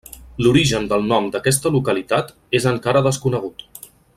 L'origen del nom d'aquesta localitat és encara desconegut.